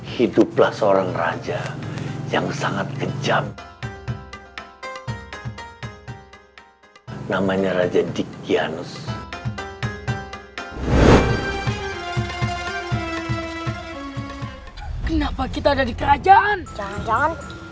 hiduplah seorang raja yang sangat kejam namanya raja dikianus kenapa kita ada di kerajaan jangan